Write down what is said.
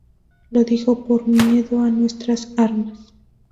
Lo dijo por miedo a nuestras armas.